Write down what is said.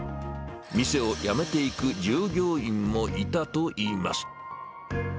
店を辞めていく従業員もいたといいます。